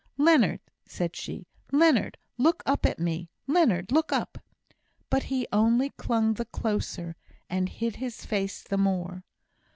"Leonard," said she, "Leonard, look up at me! Leonard, look up!" But he only clung the closer, and hid his face the more.